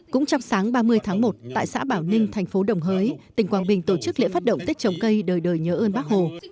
cũng trong sáng ba mươi tháng một tại xã bảo ninh thành phố đồng hới tỉnh quảng bình tổ chức lễ phát động tết trồng cây đời đời nhớ ơn bác hồ